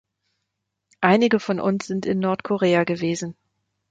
Einige von uns sind in Nordkorea gewesen.